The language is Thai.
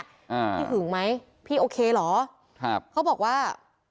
อ่าพี่หึงไหมพี่โอเคเหรอครับเขาบอกว่า